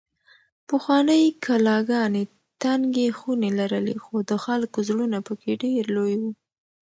پخوانۍ کلاګانې تنګې خونې لرلې خو د خلکو زړونه پکې ډېر لوی وو.